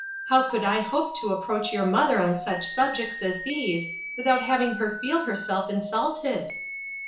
How could I hope to approach your mother on such subjects as these, without having her feel herself in sulted